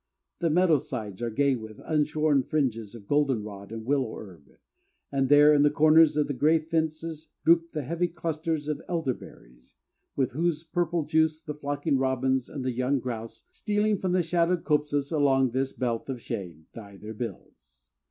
The meadow sides are gay with unshorn fringes of goldenrod and willow herb, and there in the corners of the gray fences droop the heavy clusters of elderberries, with whose purple juice the flocking robins and the young grouse, stealing from the shadowed copses along this belt of shade, dye their bills.